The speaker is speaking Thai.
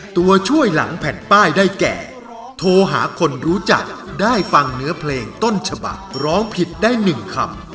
ตัวช่วยหลังแผ่นป้ายได้แก่โทรหาคนรู้จักได้ฟังเนื้อเพลงต้นฉบักร้องผิดได้๑คำ